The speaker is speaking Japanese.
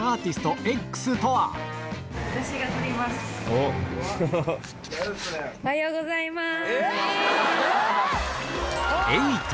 ＪＴおはようございます。